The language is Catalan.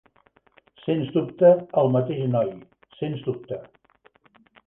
Sens dubte, el mateix noi, sens dubte!